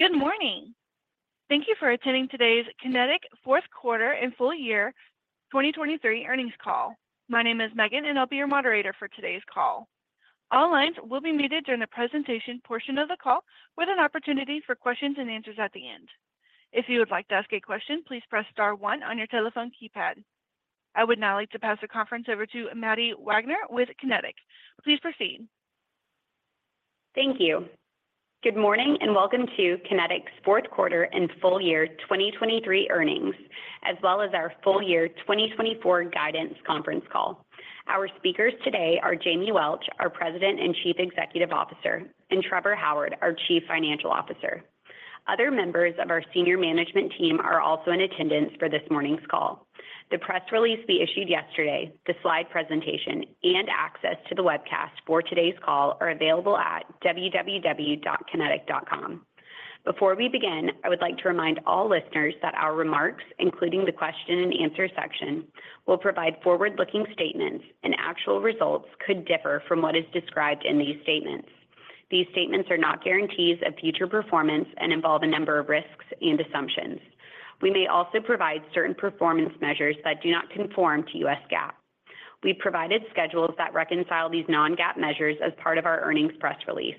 Good morning! Thank you for attending today's Kinetik fourth quarter and full year 2023 earnings call. My name is Megan, and I'll be your moderator for today's call. All lines will be muted during the presentation portion of the call, with an opportunity for questions and answers at the end. If you would like to ask a question, please press star one on your telephone keypad. I would now like to pass the conference over to Maddie Wagner with Kinetik. Please proceed. Thank you. Good morning, and welcome to Kinetik's fourth quarter and full year 2023 earnings, as well as our full year 2024 guidance conference call. Our speakers today are Jamie Welch, our President and Chief Executive Officer, and Trevor Howard, our Chief Financial Officer. Other members of our senior management team are also in attendance for this morning's call. The press release we issued yesterday, the slide presentation, and access to the webcast for today's call are available at www.kinetik.com. Before we begin, I would like to remind all listeners that our remarks, including the question and answer section, will provide forward-looking statements, and actual results could differ from what is described in these statements. These statements are not guarantees of future performance and involve a number of risks and assumptions. We may also provide certain performance measures that do not conform to U.S. GAAP. We provided schedules that reconcile these non-GAAP measures as part of our earnings press release.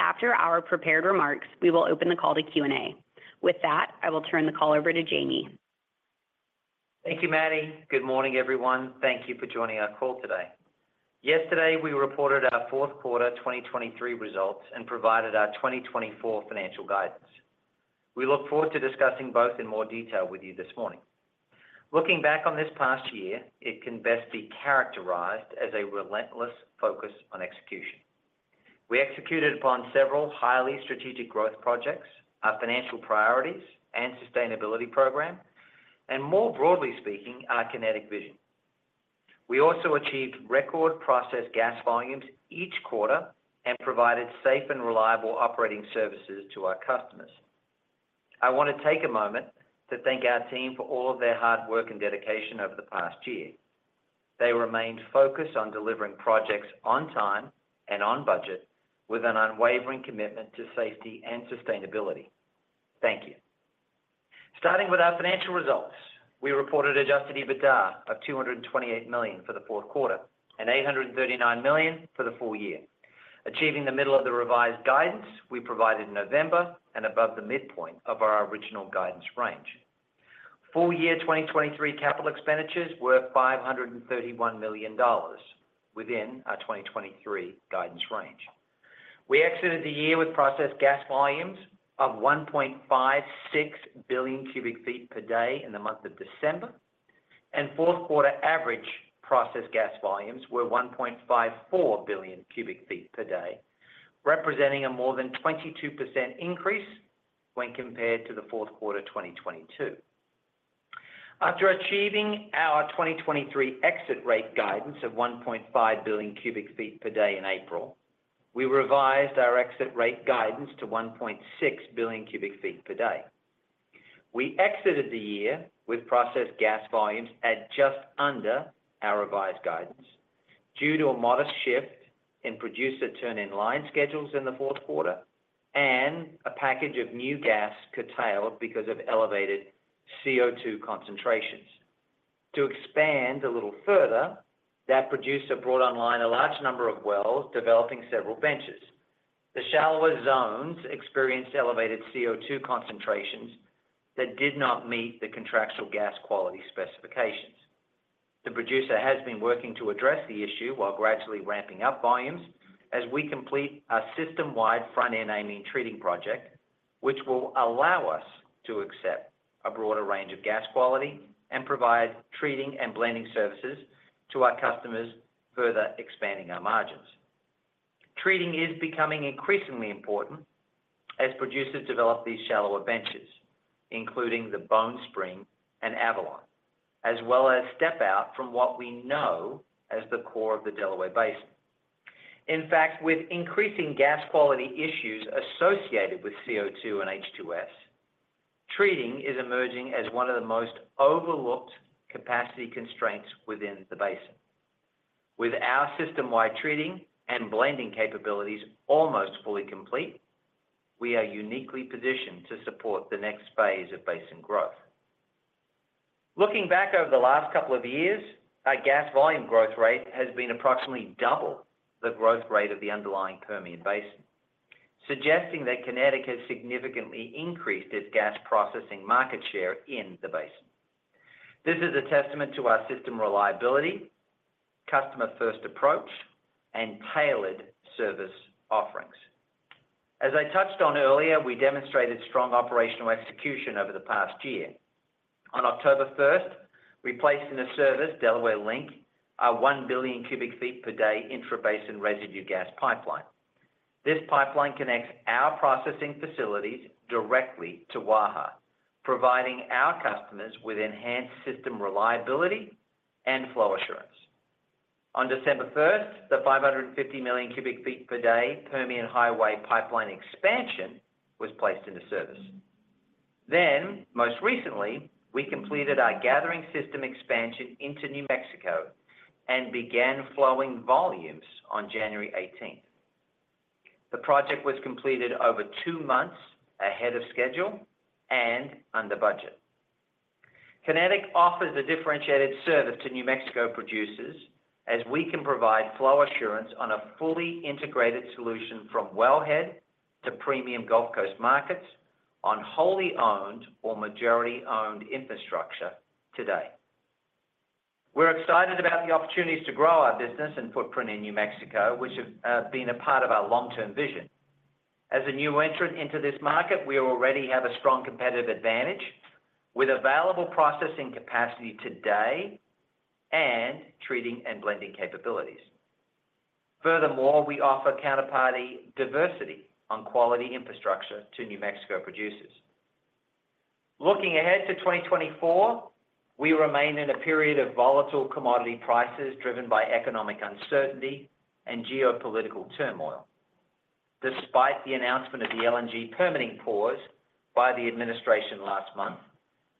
After our prepared remarks, we will open the call to Q&A. With that, I will turn the call over to Jamie. Thank you, Maddie. Good morning, everyone. Thank you for joining our call today. Yesterday, we reported our fourth quarter 2023 results and provided our 2024 financial guidance. We look forward to discussing both in more detail with you this morning. Looking back on this past year, it can best be characterized as a relentless focus on execution. We executed upon several highly strategic growth projects, our financial priorities and sustainability program, and more broadly speaking, our Kinetik vision. We also achieved record processed gas volumes each quarter and provided safe and reliable operating services to our customers. I want to take a moment to thank our team for all of their hard work and dedication over the past year. They remained focused on delivering projects on time and on budget with an unwavering commitment to safety and sustainability. Thank you. Starting with our financial results, we reported Adjusted EBITDA of $228 million for the fourth quarter and $839 million for the full year, achieving the middle of the revised guidance we provided in November and above the midpoint of our original guidance range. Full year 2023 capital expenditures were $531 million within our 2023 guidance range. We exited the year with processed gas volumes of 1.56 billion cu ft per day in the month of December, and fourth quarter average processed gas volumes were 1.54 billion cu ft per day, representing a more than 22% increase when compared to the fourth quarter, 2022. After achieving our 2023 exit rate guidance of 1.5 billion cu ft per day in April, we revised our exit rate guidance to 1.6 billion cu ft per day. We exited the year with processed gas volumes at just under our revised guidance due to a modest shift in producer turn-in-line schedules in the fourth quarter and a package of new gas curtailed because of elevated CO2 concentrations. To expand a little further, that producer brought online a large number of wells, developing several benches. The shallower zones experienced elevated CO2 concentrations that did not meet the contractual gas quality specifications. The producer has been working to address the issue while gradually ramping up volumes as we complete our system-wide front-end amine treating project, which will allow us to accept a broader range of gas quality and provide treating and blending services to our customers, further expanding our margins. Treating is becoming increasingly important as producers develop these shallower benches, including the Bone Spring and Avalon, as well as step out from what we know as the core of the Delaware Basin. In fact, with increasing gas quality issues associated with CO2 and H2S, treating is emerging as one of the most overlooked capacity constraints within the basin. With our system-wide treating and blending capabilities almost fully complete, we are uniquely positioned to support the next phase of basin growth. Looking back over the last couple of years, our gas volume growth rate has been approximately double the growth rate of the underlying Permian Basin, suggesting that Kinetik has significantly increased its gas processing market share in the basin. This is a testament to our system reliability, customer-first approach, and tailored service offerings. As I touched on earlier, we demonstrated strong operational execution over the past year. On October 1, we placed into service Delaware Link, our 1 billion cu ft per day intrabasin residue gas pipeline. This pipeline connects our processing facilities directly to Waha, providing our customers with enhanced system reliability and flow assurance. On December 1, the 550 million cu ft per day Permian Highway Pipeline expansion was placed into service. Then, most recently, we completed our gathering system expansion into New Mexico and began flowing volumes on January 18. The project was completed over two months ahead of schedule and under budget. Kinetik offers a differentiated service to New Mexico producers, as we can provide flow assurance on a fully integrated solution from wellhead to premium Gulf Coast markets on wholly owned or majority-owned infrastructure today. We're excited about the opportunities to grow our business and footprint in New Mexico, which have been a part of our long-term vision. As a new entrant into this market, we already have a strong competitive advantage with available processing capacity today and treating and blending capabilities. Furthermore, we offer counterparty diversity on quality infrastructure to New Mexico producers. Looking ahead to 2024, we remain in a period of volatile commodity prices, driven by economic uncertainty and geopolitical turmoil. Despite the announcement of the LNG permitting pause by the administration last month,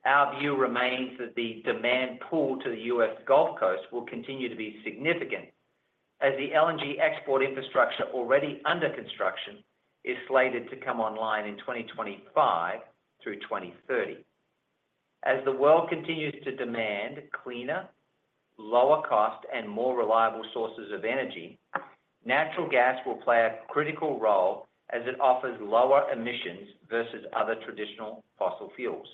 our view remains that the demand pool to the U.S. Gulf Coast will continue to be significant, as the LNG export infrastructure already under construction is slated to come online in 2025 through 2030. As the world continues to demand cleaner, lower cost, and more reliable sources of energy, natural gas will play a critical role as it offers lower emissions versus other traditional fossil fuels.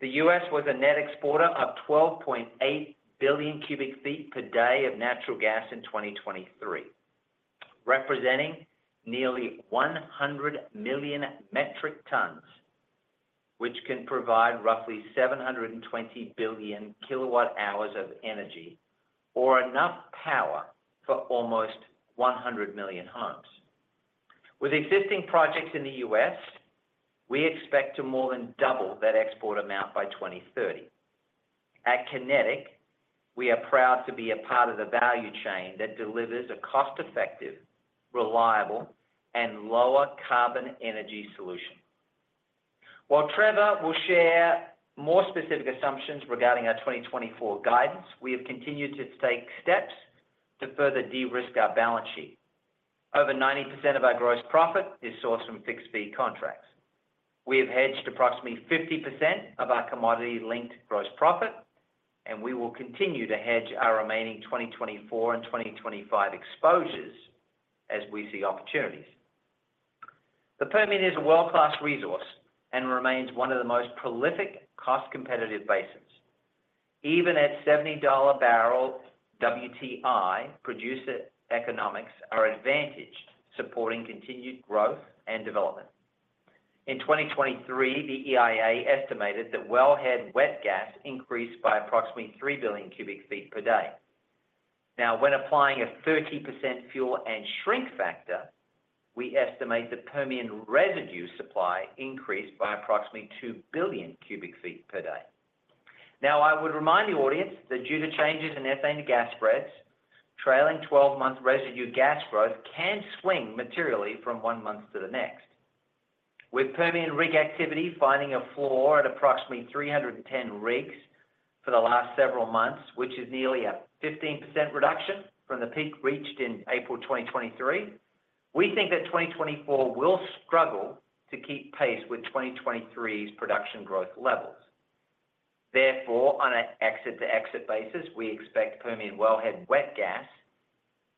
The U.S. was a net exporter of 12.8 billion cu ft per day of natural gas in 2023, representing nearly 100 million metric tons, which can provide roughly 720 billion kW hours of energy, or enough power for almost 100 million homes. With existing projects in the U.S., we expect to more than double that export amount by 2030. At Kinetik, we are proud to be a part of the value chain that delivers a cost-effective, reliable, and lower carbon energy solution. While Trevor will share more specific assumptions regarding our 2024 guidance, we have continued to take steps to further de-risk our balance sheet. Over 90% of our gross profit is sourced from fixed-fee contracts. We have hedged approximately 50% of our commodity-linked gross profit, and we will continue to hedge our remaining 2024 and 2025 exposures as we see opportunities. The Permian is a world-class resource and remains one of the most prolific, cost-competitive basins. Even at $70/barrel WTI, producer economics are advantaged, supporting continued growth and development. In 2023, the EIA estimated that wellhead wet gas increased by approximately 3 billion cu ft per day. Now, when applying a 30% fuel and shrink factor, we estimate the Permian residue supply increased by approximately 2 billion cu ft per day. Now, I would remind the audience that due to changes in ethane gas spreads, trailing 12-months residue gas growth can swing materially from one month to the next. With Permian rig activity finding a floor at approximately 310 rigs for the last several months, which is nearly a 15% reduction from the peak reached in April 2023, we think that 2024 will struggle to keep pace with 2023's production growth levels. Therefore, on an exit-to-exit basis, we expect Permian wellhead wet gas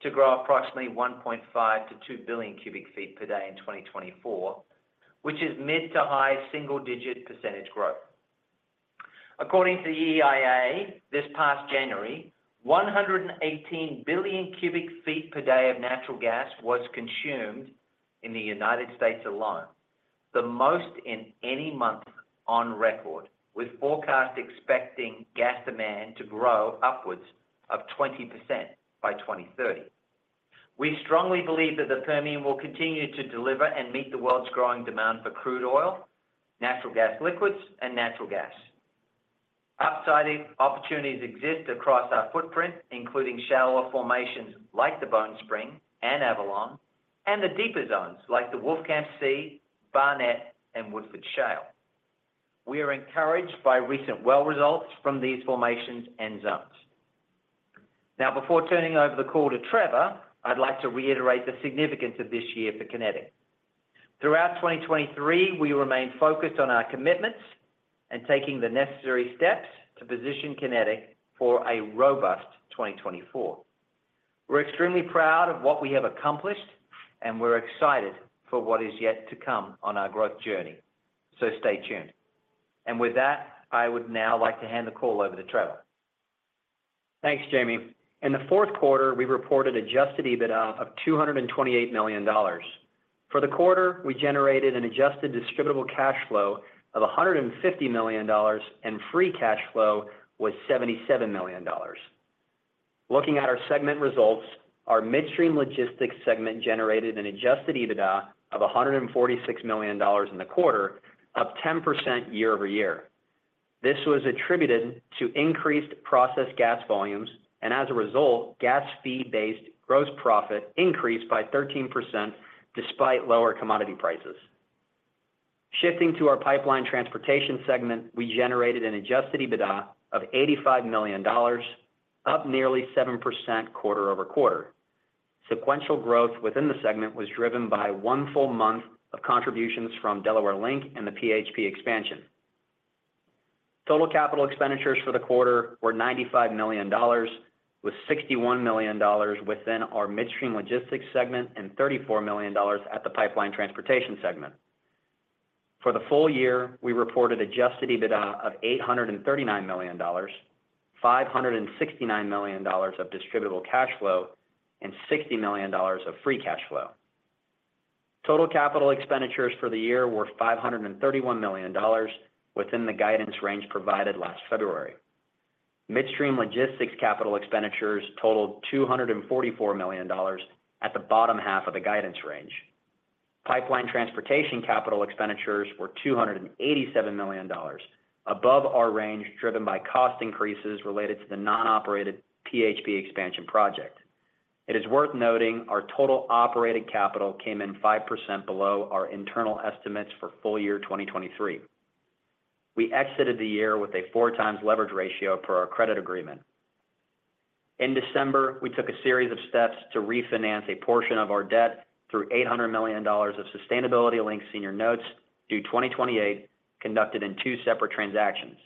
to grow approximately 1.5-2 billion cu ft per day in 2024, which is mid to high single-digit percentage growth. According to the EIA, this past January, 118 billion cu ft per day of natural gas was consumed in the United States alone, the most in any month on record, with forecasts expecting gas demand to grow upwards of 20% by 2030. We strongly believe that the Permian will continue to deliver and meet the world's growing demand for crude oil, natural gas liquids, and natural gas. Upsiding opportunities exist across our footprint, including shallower formations like the Bone Spring and Avalon, and the deeper zones like the Wolfcamp C, Barnett, and Woodford Shale. We are encouraged by recent well results from these formations and zones. Now, before turning over the call to Trevor, I'd like to reiterate the significance of this year for Kinetik. Throughout 2023, we remained focused on our commitments and taking the necessary steps to position Kinetik for a robust 2024. We're extremely proud of what we have accomplished, and we're excited for what is yet to come on our growth journey, so stay tuned. With that, I would now like to hand the call over to Trevor. Thanks, Jamie. In the fourth quarter, we reported adjusted EBITDA of $228 million. For the quarter, we generated an adjusted distributable cash flow of $150 million, and free cash flow was $77 million. Looking at our segment results, our Midstream Logistics segment generated an adjusted EBITDA of $146 million in the quarter, up 10% year-over-year.... This was attributed to increased processed gas volumes, and as a result, gas fee-based gross profit increased by 13% despite lower commodity prices. Shifting to our Pipeline Transportation segment, we generated an adjusted EBITDA of $85 million, up nearly 7% quarter-over-quarter. Sequential growth within the segment was driven by one full month of contributions from Delaware Link and the PHP expansion. Total capital expenditures for the quarter were $95 million, with $61 million within our Midstream Logistics segment and $34 million at the Pipeline Transportation segment. For the full year, we reported Adjusted EBITDA of $839 million, $569 million of distributable cash flow, and $60 million of free cash flow. Total capital expenditures for the year were $531 million within the guidance range provided last February. Midstream Logistics capital expenditures totaled $244 million at the bottom half of the guidance range. Pipeline Transportation capital expenditures were $287 million, above our range, driven by cost increases related to the non-operated PHP expansion project. It is worth noting our total operating capital came in 5% below our internal estimates for full year 2023. We exited the year with a 4x leverage ratio per our credit agreement. In December, we took a series of steps to refinance a portion of our debt through $800 million of sustainability-linked senior notes due 2028, conducted in two separate transactions.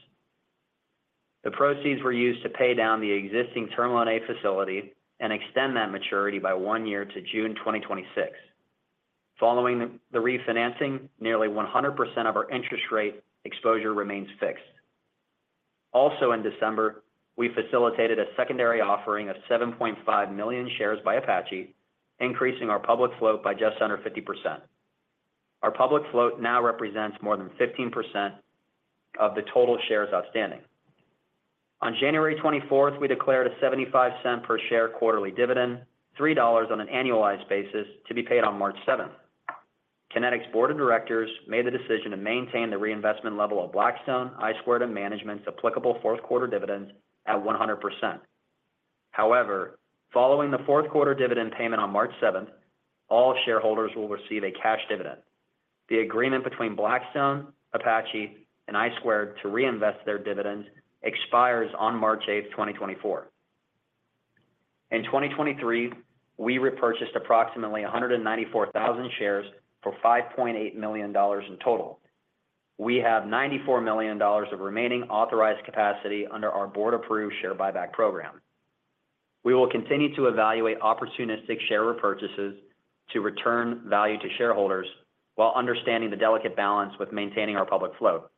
The proceeds were used to pay down the existing Term Loan A facility and extend that maturity by one year to June 2026. Following the refinancing, nearly 100% of our interest rate exposure remains fixed. Also in December, we facilitated a secondary offering of 7.5 million shares by Apache, increasing our public float by just under 50%. Our public float now represents more than 15% of the total shares outstanding. On January 24th, we declared a $0.75 per share quarterly dividend, $3 on an annualized basis, to be paid on March 7th. Kinetik's board of directors made the decision to maintain the reinvestment level of Blackstone, I Squared, and Management's applicable fourth quarter dividends at 100%. However, following the fourth quarter dividend payment on March 7th, all shareholders will receive a cash dividend. The agreement between Blackstone, Apache, and I Squared to reinvest their dividends expires on March 8th, 2024. In 2023, we repurchased approximately 194,000 shares for $5.8 million in total. We have $94 million of remaining authorized capacity under our board-approved share buyback program. We will continue to evaluate opportunistic share repurchases to return value to shareholders, while understanding the delicate balance with maintaining our public float.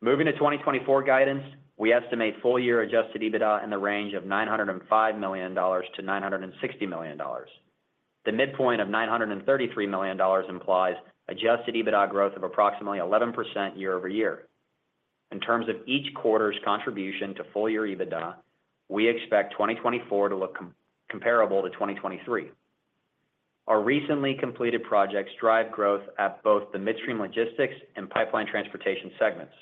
Moving to 2024 guidance, we estimate full year adjusted EBITDA in the range of $905 million-$960 million. The midpoint of $933 million implies adjusted EBITDA growth of approximately 11% year-over-year. In terms of each quarter's contribution to full-year EBITDA, we expect 2024 to look comparable to 2023. Our recently completed projects drive growth at both the Midstream Logistics and Pipeline Transportation segments.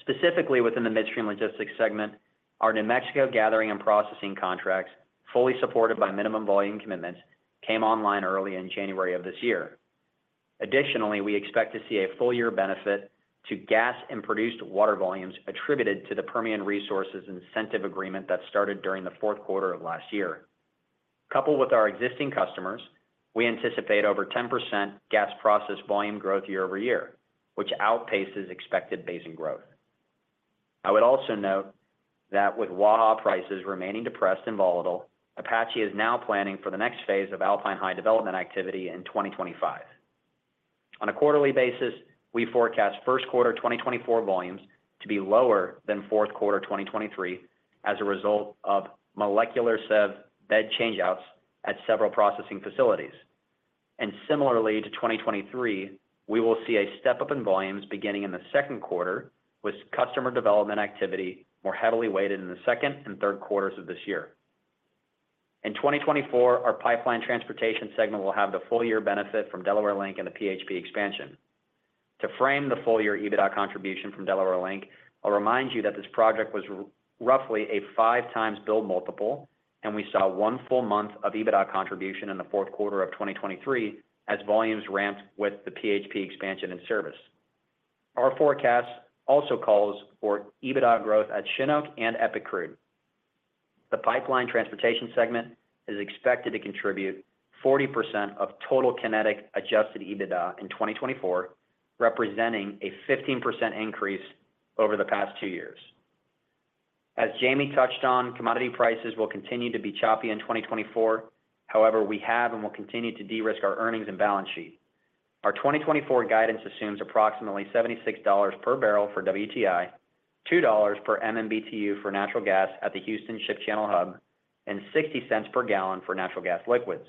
Specifically, within the Midstream Logistics segment, our New Mexico gathering and processing contracts, fully supported by minimum volume commitments, came online early in January of this year. Additionally, we expect to see a full-year benefit to gas and produced water volumes attributed to the Permian Resources incentive agreement that started during the fourth quarter of last year. Coupled with our existing customers, we anticipate over 10% gas processing volume growth year-over-year, which outpaces expected basin growth. I would also note that with Waha prices remaining depressed and volatile, Apache is now planning for the next phase of Alpine High development activity in 2025. On a quarterly basis, we forecast first quarter 2024 volumes to be lower than fourth quarter 2023 as a result of molecular sieve bed changeouts at several processing facilities. Similarly to 2023, we will see a step-up in volumes beginning in the second quarter, with customer development activity more heavily weighted in the second and third quarters of this year. In 2024, our Pipeline Transportation segment will have the full year benefit from Delaware Link and the PHP expansion. To frame the full year EBITDA contribution from Delaware Link, I'll remind you that this project was roughly a 5x build multiple, and we saw one full month of EBITDA contribution in the fourth quarter of 2023 as volumes ramped with the PHP expansion and service. Our forecast also calls for EBITDA growth at Chinook and EPIC Crude. The Pipeline Transportation segment is expected to contribute 40% of total Kinetik adjusted EBITDA in 2024, representing a 15% increase over the past two years. As Jamie touched on, commodity prices will continue to be choppy in 2024. However, we have and will continue to de-risk our earnings and balance sheet. Our 2024 guidance assumes approximately $76 per barrel for WTI, $2 per MMBtu for natural gas at the Houston Ship Channel Hub, and $0.60 per gallon for natural gas liquids.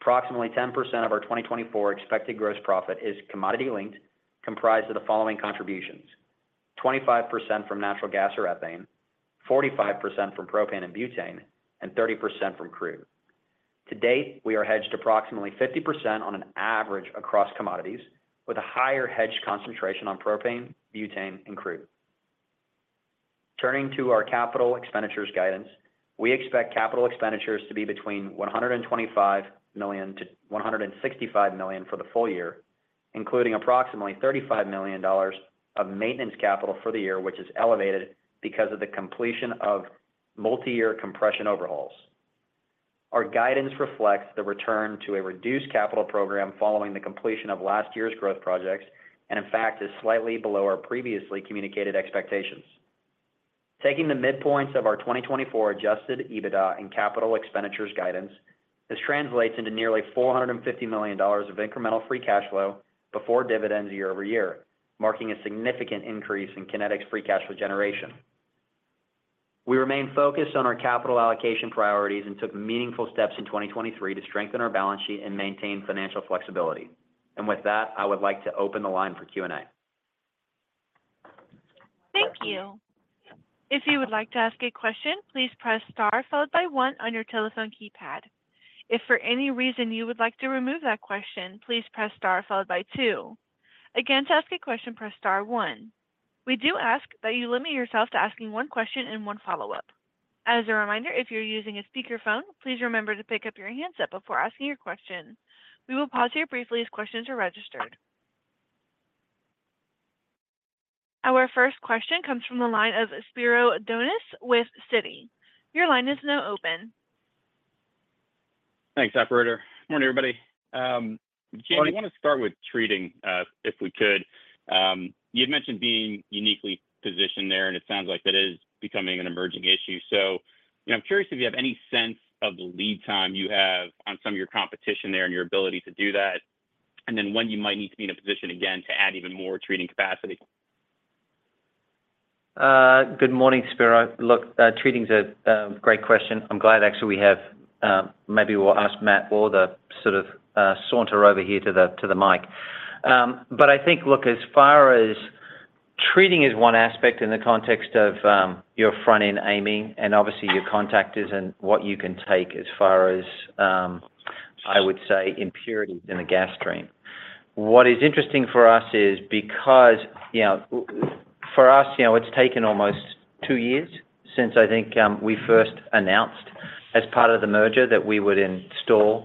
Approximately 10% of our 2024 expected gross profit is commodity linked, comprised of the following contributions: 25% from natural gas or ethane, 45% from propane and butane, and 30% from crude. To date, we are hedged approximately 50% on an average across commodities, with a higher hedge concentration on propane, butane, and crude. Turning to our capital expenditures guidance, we expect capital expenditures to be between $125 million and $165 million for the full year, including approximately $35 million of maintenance capital for the year, which is elevated because of the completion of multiyear compression overhauls. Our guidance reflects the return to a reduced capital program following the completion of last year's growth projects, and in fact, is slightly below our previously communicated expectations. Taking the midpoints of our 2024 adjusted EBITDA and capital expenditures guidance, this translates into nearly $450 million of incremental free cash flow before dividends year over year, marking a significant increase in Kinetik's free cash flow generation. We remain focused on our capital allocation priorities and took meaningful steps in 2023 to strengthen our balance sheet and maintain financial flexibility. With that, I would like to open the line for Q&A. Thank you. If you would like to ask a question, please press star, followed by one on your telephone keypad. If for any reason you would like to remove that question, please press star, followed by two. Again, to ask a question, press star one. We do ask that you limit yourself to asking one question and one follow-up. As a reminder, if you're using a speakerphone, please remember to pick up your handset before asking your question. We will pause here briefly as questions are registered. Our first question comes from the line of Spiro Dounis with Citi. Your line is now open. Thanks, operator. Morning, everybody. I want to start with treating, if we could. You'd mentioned being uniquely positioned there, and it sounds like that is becoming an emerging issue. So I'm curious if you have any sense of the lead time you have on some of your competition there and your ability to do that, and then when you might need to be in a position again to add even more treating capacity. Good morning, Spiro. Look, treating is a great question. I'm glad actually we have—maybe we'll ask Matt or the sort of saunter over here to the mic. But I think, look, as far as treating is one aspect in the context of your front-end amine, and obviously your contactors and what you can take as far as, I would say, impurities in the gas stream. What is interesting for us is because, you know, for us, you know, it's taken almost two years since I think we first announced as part of the merger that we would install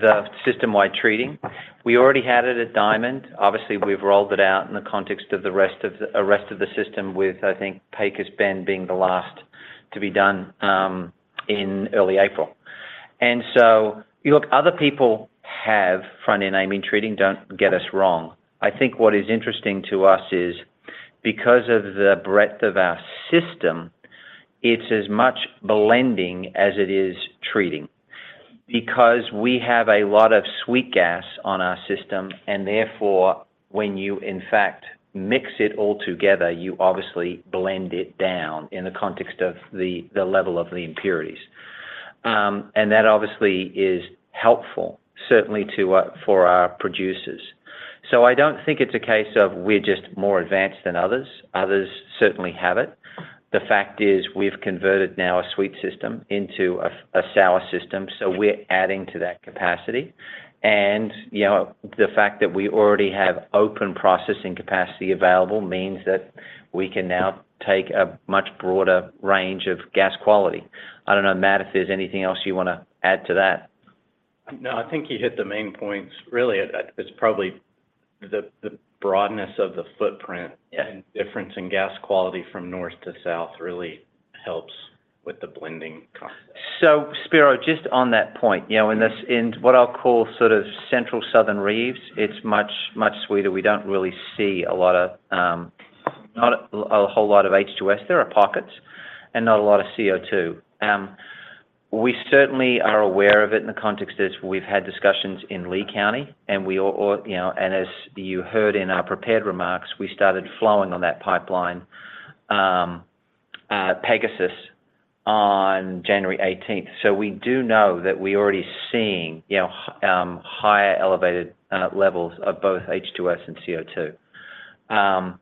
the system-wide treating. We already had it at Diamond. Obviously, we've rolled it out in the context of the rest of the, the rest of the system with, I think, Pecos Bend being the last to be done in early April. And so, look, other people have front-end amine treating, don't get us wrong. I think what is interesting to us is because of the breadth of our system, it's as much blending as it is treating. Because we have a lot of sweet gas on our system, and therefore, when you, in fact, mix it all together, you obviously blend it down in the context of the, the level of the impurities. And that obviously is helpful, certainly to our producers. So I don't think it's a case of we're just more advanced than others. Others certainly have it. The fact is, we've converted now a sweet system into a sour system, so we're adding to that capacity. And, you know, the fact that we already have open processing capacity available means that we can now take a much broader range of gas quality. I don't know, Matt, if there's anything else you want to add to that? No, I think you hit the main points. Really, it's probably the broadness of the footprint- Yeah... and difference in gas quality from north to south really helps with the blending concept. So, Spiro, just on that point, you know, in what I'll call sort of central southern Reeves, it's much, much sweeter. We don't really see a lot of, not a whole lot of H2S. There are pockets, and not a lot of CO2. We certainly are aware of it in the context that we've had discussions in Lea County, and we all, you know, and as you heard in our prepared remarks, we started flowing on that pipeline, Pegasus, on January 18th. So we do know that we're already seeing, you know, higher elevated levels of both H2S and CO2.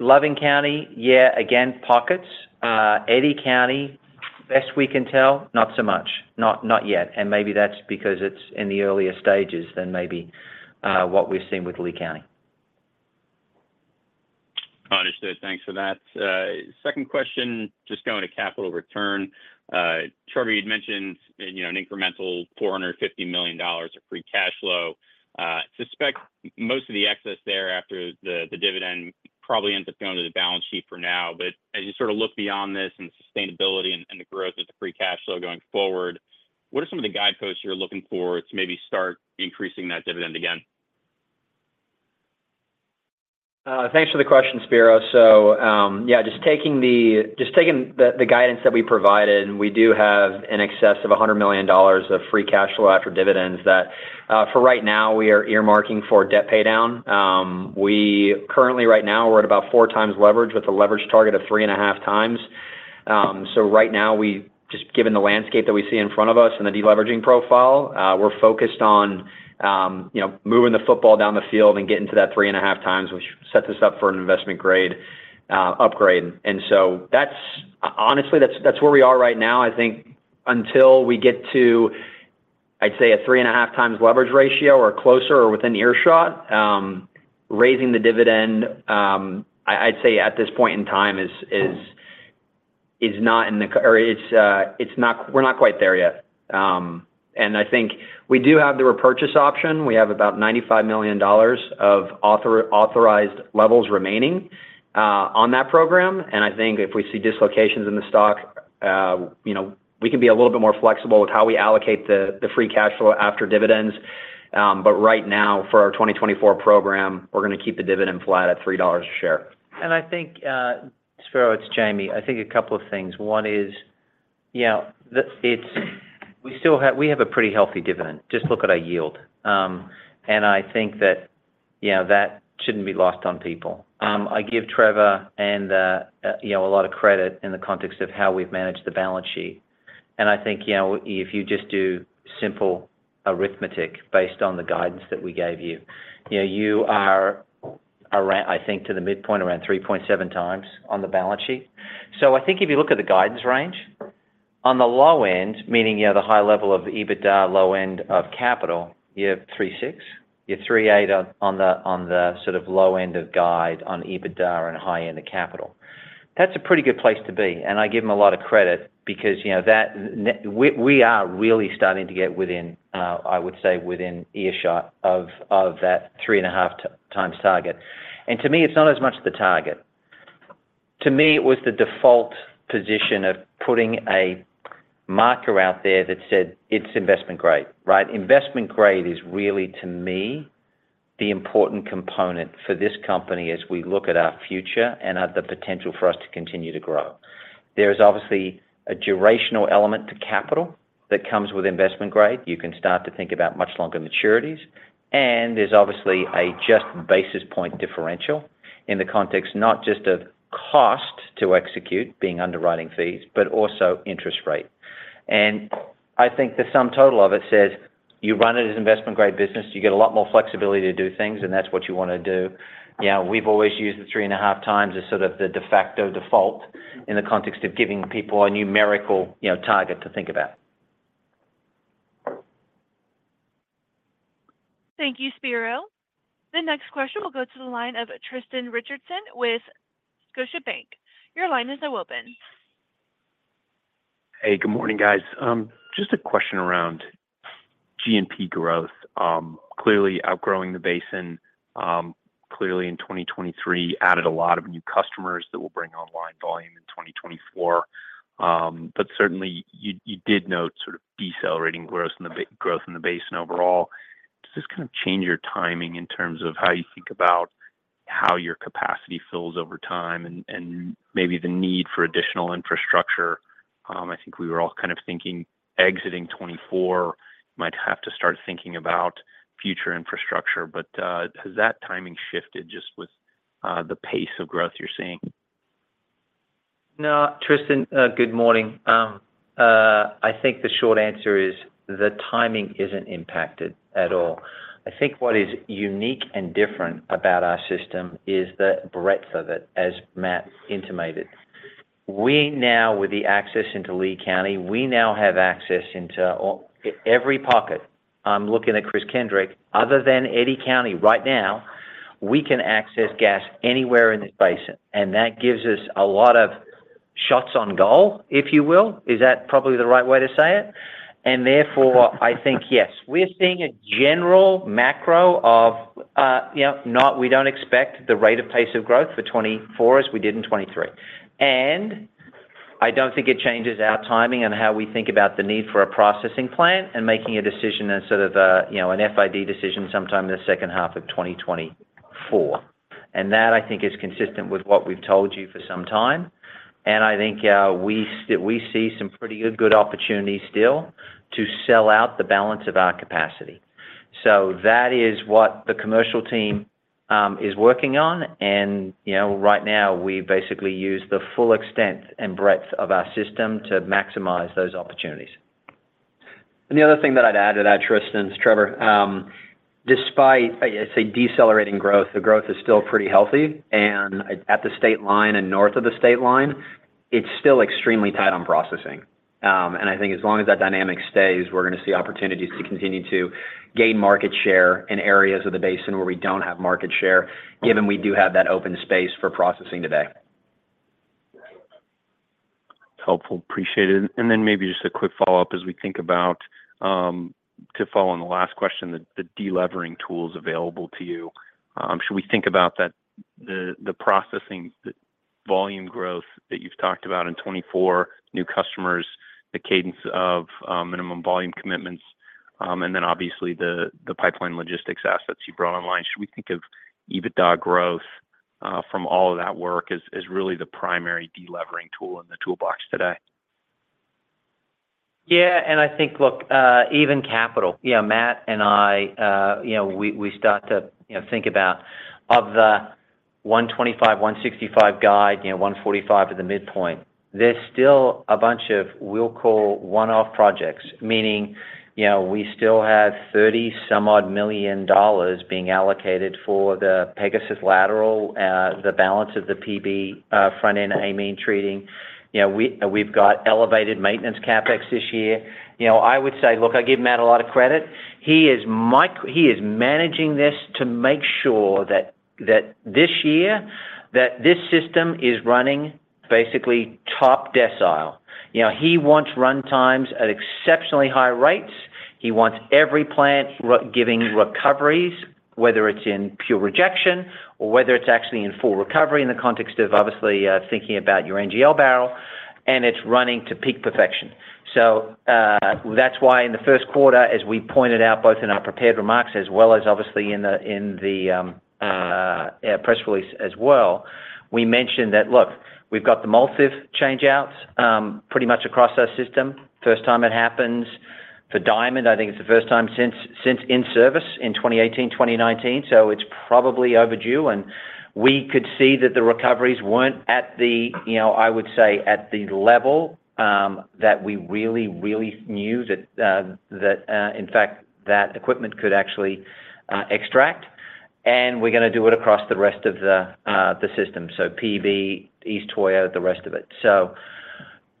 Loving County, yeah, again, pockets. Eddy County, best we can tell, not so much. Not yet, and maybe that's because it's in the earlier stages than maybe what we've seen with Lea County. Understood. Thanks for that. Second question, just going to capital return. Trevor, you'd mentioned, you know, an incremental $450 million of free cash flow. Suspect most of the excess there after the, the dividend probably ends up going to the balance sheet for now. But as you sort of look beyond this and sustainability and, and the growth of the free cash flow going forward, what are some of the guideposts you're looking for to maybe start increasing that dividend again? Thanks for the question, Spiro. So, just taking the guidance that we provided, we do have in excess of $100 million of free cash flow after dividends that, for right now, we are earmarking for debt paydown. Currently right now, we're at about 4x leverage with a leverage target of 3.5x. So right now, just given the landscape that we see in front of us and the deleveraging profile, we're focused on, you know, moving the football down the field and getting to that 3.5x, which sets us up for an investment grade upgrade. Honestly, that's where we are right now. I think until we get to, I'd say, a 3.5x leverage ratio or closer or within earshot, raising the dividend, I'd say at this point in time is not in the cards or it's not – we're not quite there yet. And I think we do have the repurchase option. We have about $95 million of authorized levels remaining on that program. And I think if we see dislocations in the stock, you know, we can be a little bit more flexible with how we allocate the free cash flow after dividends. But right now, for our 2024 program, we're gonna keep the dividend flat at $3 a share. And I think, Spiro, it's Jamie. I think a couple of things. One is, you know, we still have a pretty healthy dividend. Just look at our yield. And I think that, you know, that shouldn't be lost on people. I give Trevor and the, you know, a lot of credit in the context of how we've managed the balance sheet. And I think, you know, if you just do simple arithmetic based on the guidance that we gave you, you know, you are around, I think, to the midpoint, around 3.7x on the balance sheet. So I think if you look at the guidance range, on the low end, meaning, you know, the high level of EBITDA, low end of capital, you have 3.6. You have 3.8 on the sort of low end of guide on EBITDA and high end of capital. That's a pretty good place to be, and I give them a lot of credit because, you know, we are really starting to get within, I would say, within earshot of that 3.5x target. And to me, it's not as much the target. To me, it was the default position of putting a marker out there that said, "It's investment grade," right? Investment grade is really, to me, the important component for this company as we look at our future and at the potential for us to continue to grow. There is obviously a durational element to capital that comes with investment grade. You can start to think about much longer maturities, and there's obviously just a basis point differential in the context, not just of cost to execute, being underwriting fees, but also interest rate. And I think the sum total of it says: you run it as investment grade business, you get a lot more flexibility to do things, and that's what you wanna do. You know, we've always used the 3.5 times as sort of the de facto default in the context of giving people a numerical, you know, target to think about. Thank you, Spiro. The next question will go to the line of Tristan Richardson with Scotiabank. Your line is now open. Hey, good morning, guys. Just a question around GNP growth. Clearly outgrowing the basin, clearly in 2023, added a lot of new customers that will bring online volume in 2024. But certainly, you, you did note sort of decelerating growth in the growth in the basin overall. Does this kind of change your timing in terms of how you think about how your capacity fills over time and, and maybe the need for additional infrastructure? I think we were all kind of thinking exiting 2024 might have to start thinking about future infrastructure, but, has that timing shifted just with, the pace of growth you're seeing? No, Tristan, good morning. I think the short answer is the timing isn't impacted at all. I think what is unique and different about our system is the breadth of it, as Matt intimated. We now, with the access into Lea County, we now have access into all... every pocket. I'm looking at Kris Kendrick. Other than Eddy County, right now, we can access gas anywhere in this basin, and that gives us a lot of shots on goal, if you will. Is that probably the right way to say it? And therefore, I think, yes. We're seeing a general macro of, you know, not, we don't expect the rate of pace of growth for 2024 as we did in 2023. I don't think it changes our timing and how we think about the need for a processing plant and making a decision and sort of a, you know, an FID decision sometime in the second half of 2024. That, I think, is consistent with what we've told you for some time. I think, we still see some pretty good opportunities still to sell out the balance of our capacity. That is what the commercial team is working on. You know, right now, we basically use the full extent and breadth of our system to maximize those opportunities. The other thing that I'd add to that, Tristan, it's Trevor. Despite, I'd say, decelerating growth, the growth is still pretty healthy. At the state line and north of the state line, it's still extremely tight on processing. And I think as long as that dynamic stays, we're gonna see opportunities to continue to gain market share in areas of the basin where we don't have market share, given we do have that open space for processing today. Helpful, appreciate it. Then maybe just a quick follow-up as we think about to follow on the last question, the deleveraging tools available to you. Should we think about that, the processing, the volume growth that you've talked about in 2024, new customers, the cadence of minimum volume commitments, and then obviously, the pipeline logistics assets you brought online? Should we think of EBITDA growth from all of that work as really the primary deleveraging tool in the toolbox today? Yeah, and I think, look, even capital. Yeah, Matt and I, you know, we start to, you know, think about the 125, 165 guide, you know, 145 at the midpoint. There's still a bunch of, we'll call one-off projects, meaning, you know, we still have 30-some-odd million dollars being allocated for the Pegasus lateral, the balance of the PB, front-end amine treating. You know, we've got elevated maintenance CapEx this year. You know, I would say, look, I give Matt a lot of credit. He is managing this to make sure that this year, that this system is running basically top decile. You know, he wants runtimes at exceptionally high rates. He wants every plant running giving recoveries, whether it's in pure rejection or whether it's actually in full recovery, in the context of obviously thinking about your NGL barrel, and it's running to peak perfection. So that's why in the first quarter, as we pointed out, both in our prepared remarks as well as obviously in our press release as well, we mentioned that: Look, we've got the molecular sieve change outs pretty much across our system. First time it happens for Diamond, I think it's the first time since in-service in 2018, 2019, so it's probably overdue. And we could see that the recoveries weren't at the, you know, I would say, at the level that we really, really knew that in fact that equipment could actually extract. And we're gonna do it across the rest of the, the system, so PB, East Toyah, the rest of it. So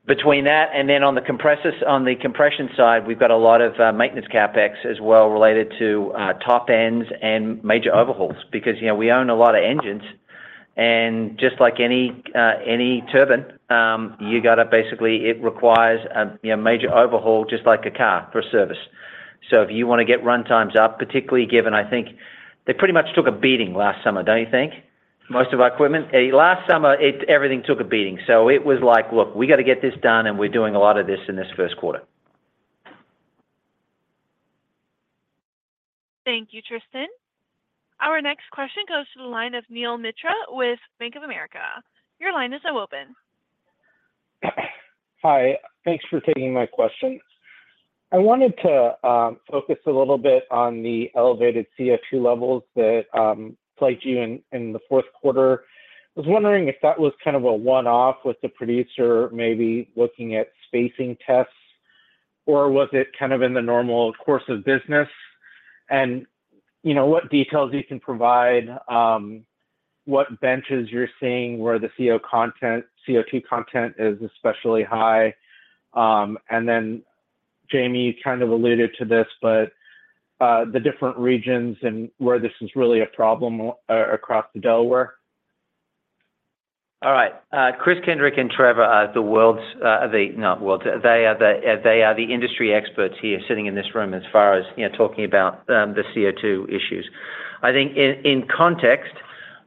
between that and then on the compressors, on the compression side, we've got a lot of, maintenance CapEx as well, related to, top ends and major overhauls. Because, you know, we own a lot of engines, and just like any, any turbine, you gotta basically, it requires a, you know, major overhaul, just like a car for service. So if you wanna get runtimes up, particularly given, I think, they pretty much took a beating last summer, don't you think, most of our equipment? Last summer, it, everything took a beating, so it was like: Look, we gotta get this done, and we're doing a lot of this in this first quarter. Thank you, Tristan. Our next question goes to the line of Neil Mehta with Bank of America. Your line is now open. Hi, thanks for taking my question. I wanted to focus a little bit on the elevated CO2 levels that plagued you in the fourth quarter. I was wondering if that was kind of a one-off with the producer, maybe looking at spacing tests, or was it kind of in the normal course of business? And, you know, what details you can provide, what benches you're seeing, where the CO content-- CO2 content is especially high. And then Jamie kind of alluded to this, but the different regions and where this is really a problem across the Delaware. All right. Kris Kindrick and Trevor are the industry experts here sitting in this room as far as, you know, talking about the CO2 issues. I think in context,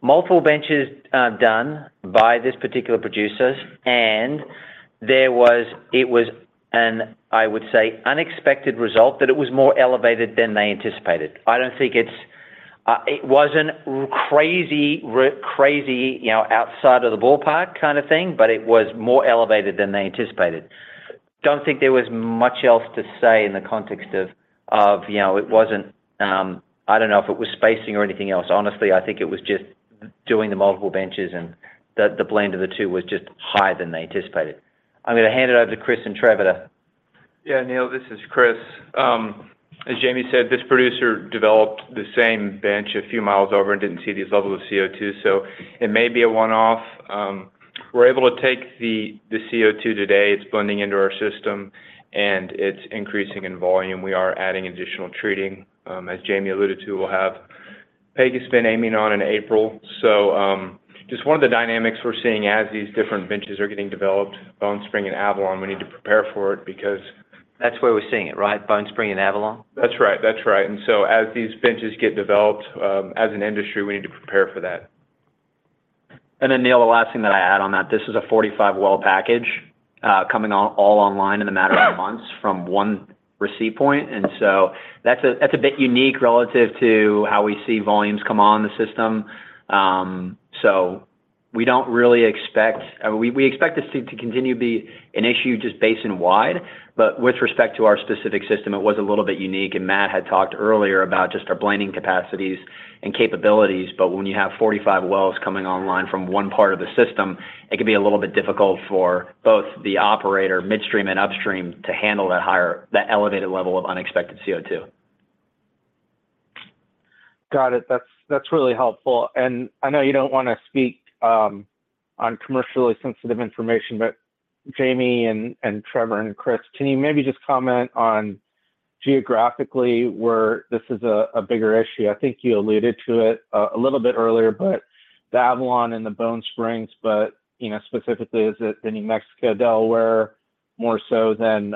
multiple benches are done by this particular producer, and there was an, I would say, unexpected result that it was more elevated than they anticipated. I don't think it was crazy, you know, outside of the ballpark kind of thing, but it was more elevated than they anticipated. Don't think there was much else to say in the context of, you know, it wasn't, I don't know if it was spacing or anything else. Honestly, I think it was just doing the multiple benches, and the blend of the two was just higher than they anticipated. I'm gonna hand it over to Kris and Trevor to- Yeah, Neil, this is Kris. As Jamie said, this producer developed the same bench a few miles over and didn't see these levels of CO2, so it may be a one-off. We're able to take the CO2 today, it's blending into our system and it's increasing in volume. We are adding additional treating. As Jamie alluded to, we'll have Pegasus coming online in April. So, just one of the dynamics we're seeing as these different benches are getting developed, Bone Spring and Avalon, we need to prepare for it because- That's where we're seeing it, right? Bone Spring and Avalon. That's right. That's right. And so as these benches get developed, as an industry, we need to prepare for that. Neil, the last thing that I'd add on that, this is a 45-well package coming online in a matter of months from one receipt point. That's a bit unique relative to how we see volumes come on the system. We expect this to continue to be an issue just basin-wide, but with respect to our specific system, it was a little bit unique. Matt had talked earlier about just our blending capacities and capabilities, but when you have 45 wells coming online from one part of the system, it can be a little bit difficult for both the operator, midstream and upstream, to handle that elevated level of unexpected CO2. Got it. That's really helpful. And I know you don't wanna speak on commercially sensitive information, but Jamie and Trevor and Kris, can you maybe just comment on geographically where this is a bigger issue? I think you alluded to it a little bit earlier, but the Avalon and the Bone Spring, but you know, specifically, is it the New Mexico Delaware, more so than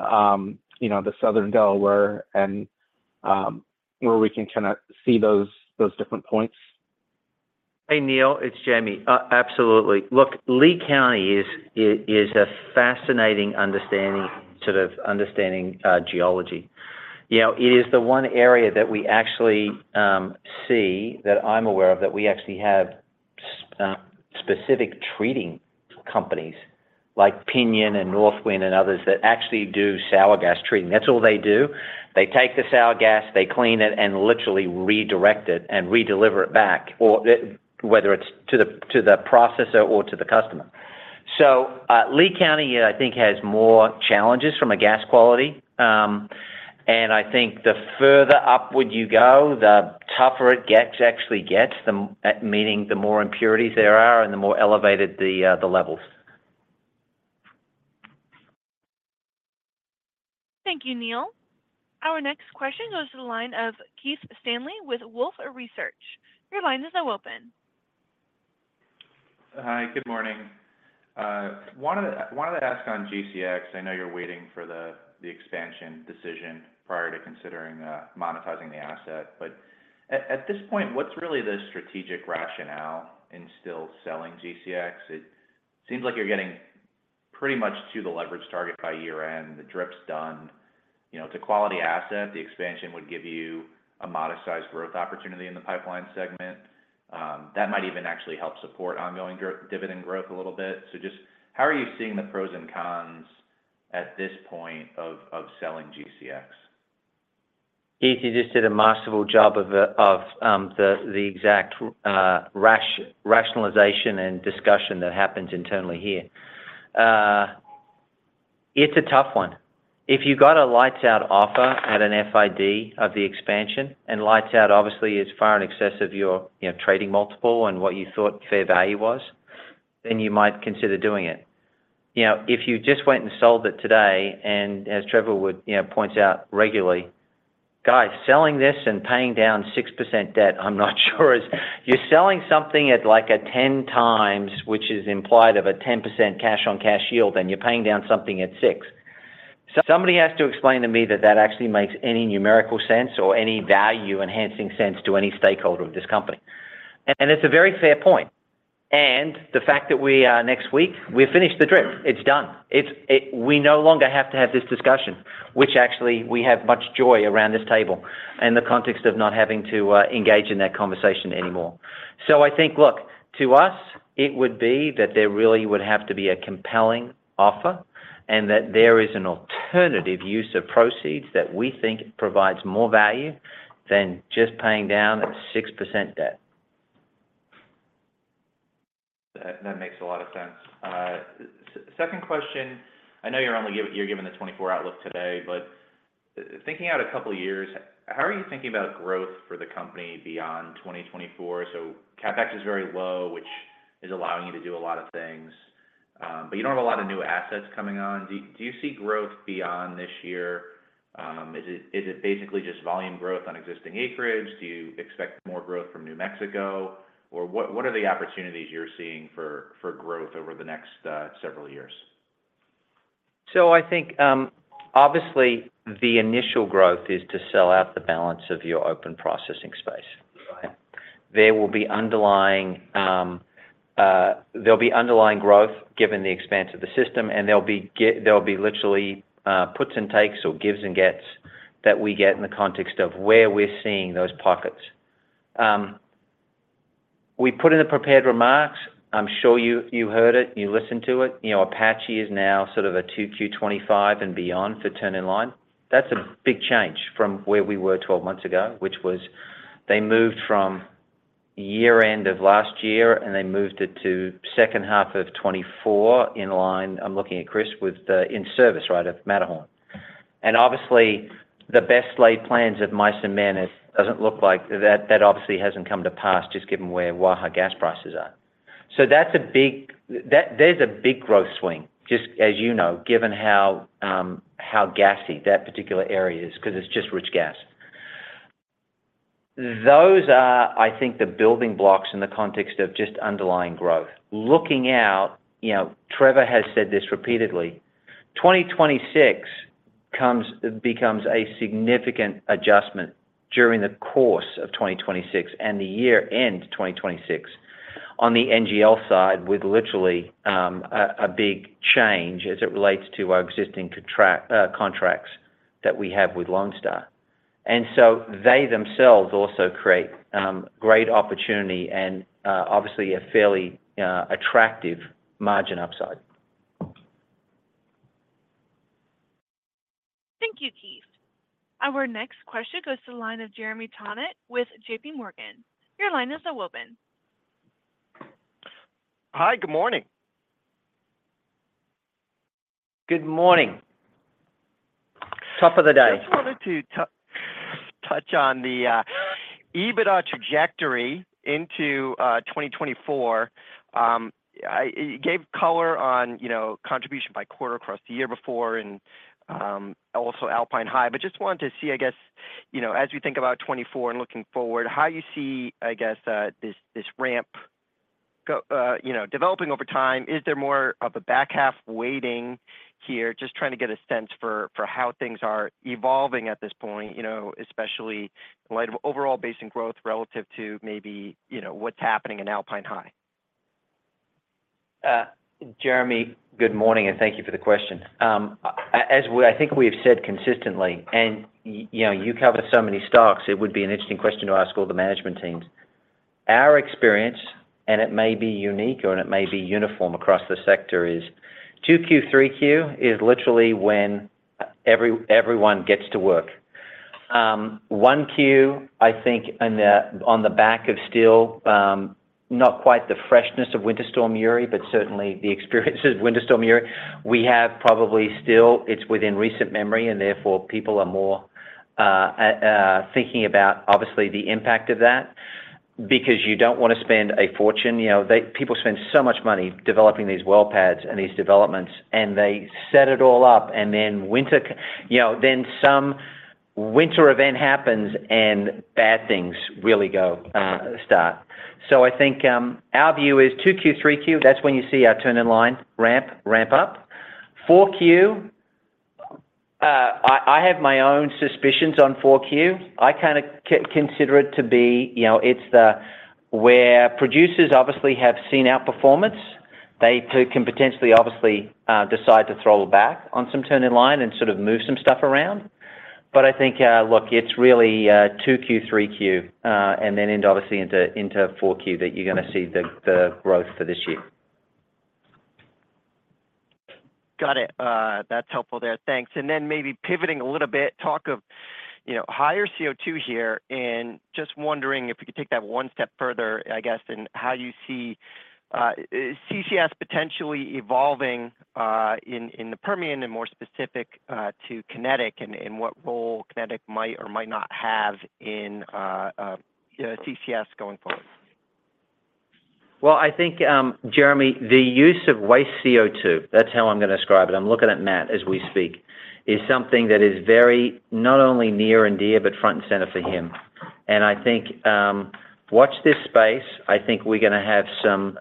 you know, the Southern Delaware, and where we can kinda see those different points? Hey, Neil, it's Jamie. Absolutely. Look, Lea County is a fascinating understanding to the understanding geology. You know, it is the one area that we actually see that I'm aware of that we actually have specific treating companies like Pinion and Northwind and others that actually do sour gas treatment. That's all they do. They take the sour gas, they clean it, and literally redirect it and redeliver it back, or whether it's to the processor or to the customer. So, Lea County, I think, has more challenges from a gas quality. And I think the further upward you go, the tougher it gets, actually gets, meaning the more impurities there are and the more elevated the levels. Thank you, Neil. Our next question goes to the line of Keith Stanley with Wolfe Research. Your line is now open. Hi, good morning. Wanted to ask on GCX. I know you're waiting for the expansion decision prior to considering monetizing the asset, but at this point, what's really the strategic rationale in still selling GCX? It seems like you're getting pretty much to the leverage target by year-end. The DRIP's done. You know, it's a quality asset. The expansion would give you a modest size growth opportunity in the pipeline segment that might even actually help support ongoing dividend growth a little bit. So just how are you seeing the pros and cons at this point of selling GCX? Keith, you just did a masterful job of the exact rationalization and discussion that happens internally here. It's a tough one. If you got a lights out offer at an FID of the expansion, and lights out obviously is far in excess of your, you know, trading multiple and what you thought fair value was, then you might consider doing it. You know, if you just went and sold it today, and as Trevor would, you know, point out regularly, "Guys, selling this and paying down 6% debt, I'm not sure is... You're selling something at, like, a 10x, which is implied of a 10% cash-on-cash yield, and you're paying down something at six. So somebody has to explain to me that that actually makes any numerical sense or any value-enhancing sense to any stakeholder of this company." And it's a very fair point, and the fact that we, next week, we're finished the drip. It's done. It-- we no longer have to have this discussion, which actually we have much joy around this table in the context of not having to, engage in that conversation anymore. So I think, look, to us, it would be that there really would have to be a compelling offer, and that there is an alternative use of proceeds that we think provides more value than just paying down 6% debt. That makes a lot of sense. Second question, I know you're only giving the 2024 outlook today, but thinking out a couple of years, how are you thinking about growth for the company beyond 2024? So CapEx is very low, which is allowing you to do a lot of things, but you don't have a lot of new assets coming on. Do you see growth beyond this year? Is it basically just volume growth on existing acreage? Do you expect more growth from New Mexico? Or what are the opportunities you're seeing for growth over the next several years? I think, obviously, the initial growth is to sell out the balance of your open processing space. Right. There will be underlying growth given the expanse of the system, and there'll be literally puts and takes or gives and gets that we get in the context of where we're seeing those pockets. We put in the prepared remarks, I'm sure you heard it, you listened to it, you know, Apache is now sort of a 2Q 2025 and beyond for turn in line. That's a big change from where we were 12 months ago, which was they moved from year-end of last year, and they moved it to second half of 2024 in line, I'm looking at Kris, with the in-service, right, of Matterhorn. And obviously, the best laid plans of mice and men doesn't look like... That obviously hasn't come to pass, just given where Waha gas prices are. So that's a big growth swing, just as you know, given how gassy that particular area is, because it's just rich gas. Those are, I think, the building blocks in the context of just underlying growth. Looking out, you know, Trevor has said this repeatedly, 2026 becomes a significant adjustment during the course of 2026 and the year end 2026 on the NGL side, with literally a big change as it relates to our existing contracts that we have with Lone Star. And so they themselves also create great opportunity and, obviously, a fairly attractive margin upside. Thank you, Keith. Our next question goes to the line of Jeremy Tonet with JPMorgan. Your line is now open. Hi, good morning. Good morning. Top of the day. Just wanted to touch on the EBITDA trajectory into 2024. You gave color on, you know, contribution by quarter across the year before and also Alpine High, but just wanted to see, I guess, you know, as you think about 2024 and looking forward, how you see, I guess, this ramp go, you know, developing over time. Is there more of a back half weighting here? Just trying to get a sense for how things are evolving at this point, you know, especially in light of overall basin growth relative to maybe, you know, what's happening in Alpine High. Jeremy, good morning, and thank you for the question. As what I think we have said consistently, and, you know, you cover so many stocks, it would be an interesting question to ask all the management teams... Our experience, and it may be unique or and it may be uniform across the sector, is 2Q, 3Q, is literally when everyone gets to work. 1Q, I think, and, on the back of still, not quite the freshness of Winter Storm Uri, but certainly the experiences of Winter Storm Uri, we have probably still, it's within recent memory, and therefore, people are more, thinking about, obviously, the impact of that, because you don't want to spend a fortune. You know, they people spend so much money developing these well pads and these developments, and they set it all up, and then you know, then some winter event happens, and bad things really go, start. So I think, our view is 2Q, 3Q, that's when you see our turn in line, ramp, ramp up. 4Q, I have my own suspicions on 4Q. I kinda consider it to be, you know, it's the where producers obviously have seen our performance. They too can potentially, obviously, decide to throttle back on some turn in line and sort of move some stuff around. But I think, look, it's really, 2Q, 3Q, and then obviously into 4Q, that you're gonna see the growth for this year. Got it. That's helpful there. Thanks. And then maybe pivoting a little bit, talk of, you know, higher CO2 here, and just wondering if you could take that one step further, I guess, in how you see CCS potentially evolving in the Permian and more specific to Kinetik and what role Kinetik might or might not have in CCS going forward. Well, I think, Jeremy, the use of waste CO2, that's how I'm gonna describe it, I'm looking at Matt as we speak, is something that is very not only near and dear, but front and center for him. And I think, watch this space. I think we're gonna have some,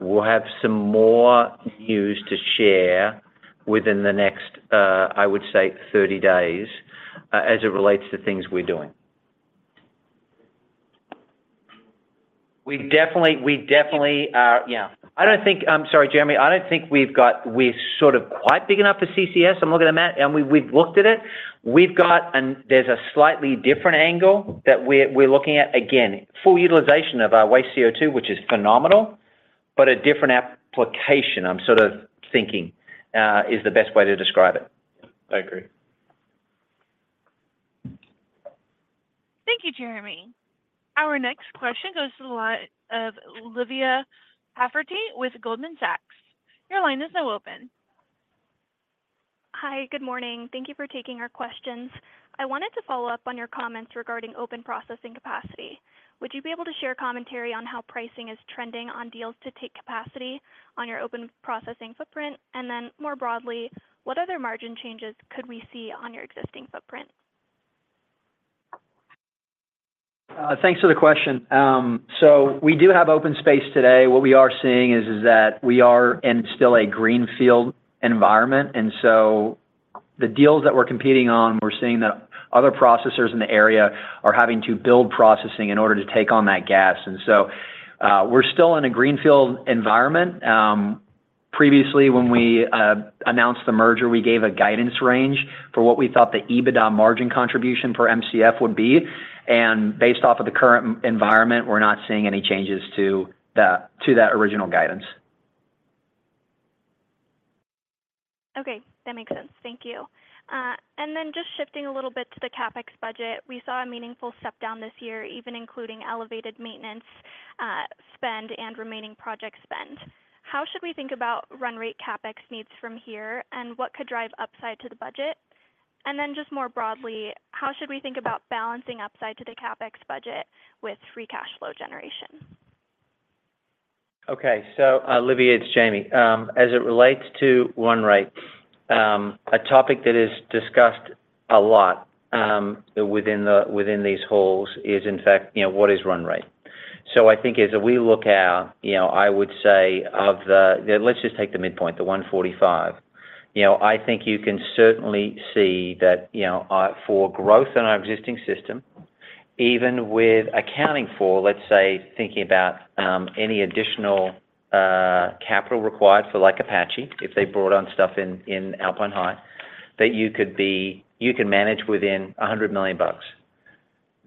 we'll have some more news to share within the next, I would say 30 days, as it relates to things we're doing. We definitely are. Yeah, I don't think. I'm sorry, Jeremy, I don't think we've got. We're sort of quite big enough for CCS, I'm looking at Matt, and we, we've looked at it. We've got an. There's a slightly different angle that we're looking at. Again, full utilization of our waste CO2, which is phenomenal, but a different application, I'm sort of thinking, is the best way to describe it. I agree. Thank you, Jeremy. Our next question goes to the line of Olivia Halferty with Goldman Sachs. Your line is now open. Hi, good morning. Thank you for taking our questions. I wanted to follow up on your comments regarding open processing capacity. Would you be able to share commentary on how pricing is trending on deals to take capacity on your open processing footprint? And then, more broadly, what other margin changes could we see on your existing footprint? Thanks for the question. So we do have open space today. What we are seeing is that we are in still a greenfield environment, and so the deals that we're competing on, we're seeing that other processors in the area are having to build processing in order to take on that gas. And so we're still in a greenfield environment. Previously, when we announced the merger, we gave a guidance range for what we thought the EBITDA margin contribution for MCF would be, and based off of the current environment, we're not seeing any changes to that original guidance. Okay, that makes sense. Thank you. And then just shifting a little bit to the CapEx budget, we saw a meaningful step down this year, even including elevated maintenance, spend and remaining project spend. How should we think about run rate CapEx needs from here, and what could drive upside to the budget? And then, just more broadly, how should we think about balancing upside to the CapEx budget with free cash flow generation? Okay. So, Olivia, it's Jamie. As it relates to run rate, a topic that is discussed a lot within these halls is, in fact, you know, what is run rate? So I think as we look out, you know, I would say of the... Let's just take the midpoint, the $145 million. You know, I think you can certainly see that, you know, for growth in our existing system, even with accounting for, let's say, thinking about any additional capital required for, like, Apache, if they brought on stuff in Alpine High, that you can manage within $100 million.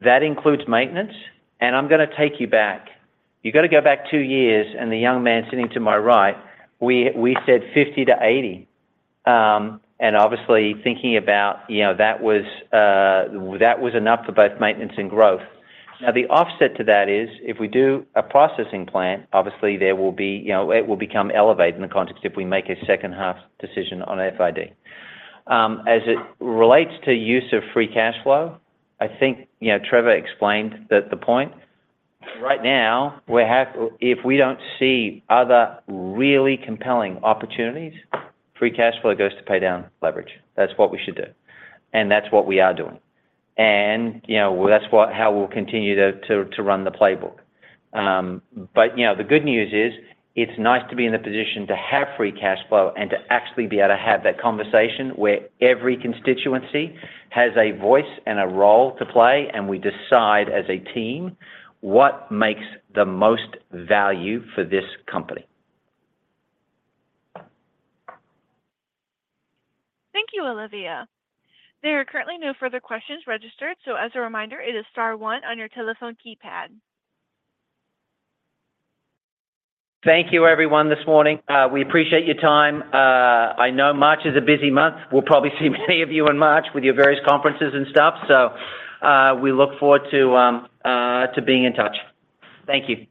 That includes maintenance, and I'm gonna take you back. You got to go back two years, and the young man sitting to my right, we, we said $50-$80 million. And obviously, thinking about, you know, that was enough for both maintenance and growth. Now, the offset to that is, if we do a processing plant, obviously there will be, you know, it will become elevated in the context if we make a second half decision on FID. As it relates to use of free cash flow, I think, you know, Trevor explained the point. Right now, we have, if we don't see other really compelling opportunities, free cash flow goes to pay down leverage. That's what we should do, and that's what we are doing. And, you know, that's what, how we'll continue to run the playbook. But, you know, the good news is, it's nice to be in a position to have free cash flow and to actually be able to have that conversation, where every constituency has a voice and a role to play, and we decide, as a team, what makes the most value for this company. Thank you, Olivia. There are currently no further questions registered, so as a reminder, it is star one on your telephone keypad. Thank you, everyone, this morning. We appreciate your time. I know March is a busy month. We'll probably see many of you in March with your various conferences and stuff. So, we look forward to being in touch. Thank you.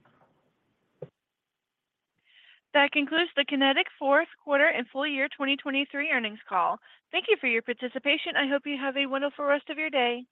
That concludes the Kinetik fourth quarter and full year 2023 earnings call. Thank you for your participation. I hope you have a wonderful rest of your day.